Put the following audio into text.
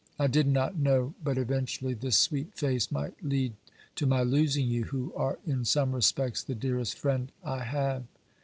I did not know but eventually this sweet face might lead to my losing you, who are in some respects the dearest friend I have.